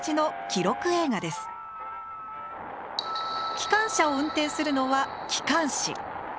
機関車を運転するのは機関士。